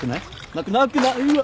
なくなくなうわ！